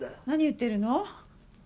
何言ってるの？